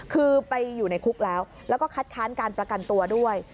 คือไปอยู่ในคุกแล้วแล้วก็คัดค้านการประกันตัวด้วย